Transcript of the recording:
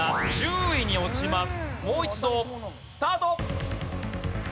もう一度スタート。